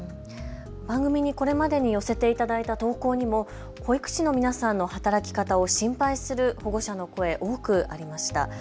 番組にこれまでに寄せていただいた投稿にも保育士の皆さんの働き方を心配する保護者の声、多くありました。